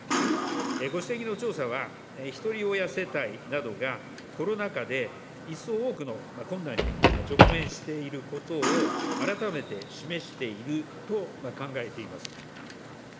ご指摘の調査は、ひとり親世帯などがコロナ禍で一層多くの困難に直面していることを改めて示していると考えています。